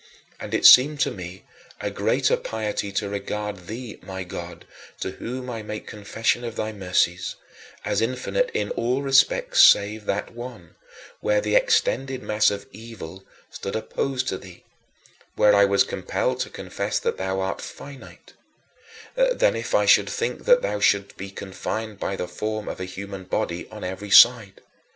And it seemed to me a greater piety to regard thee, my God to whom I make confession of thy mercies as infinite in all respects save that one: where the extended mass of evil stood opposed to thee, where I was compelled to confess that thou art finite than if I should think that thou couldst be confined by the form of a human body on every side.